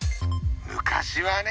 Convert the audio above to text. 昔はね！